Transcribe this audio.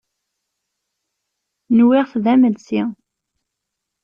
Nwiɣ-t d amelsi.